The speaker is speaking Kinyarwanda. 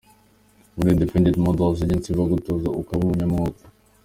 Muri Independent Models Agency baragutoza ukaba umunyamwuga.